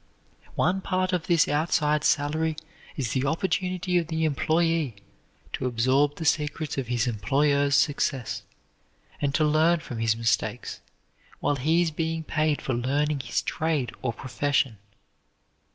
One part of this outside salary is the opportunity of the employee to absorb the secrets of his employer's success, and to learn from his mistakes, while he is being paid for learning his trade or profession.